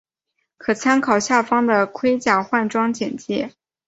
可参考下方的盔甲换装简介。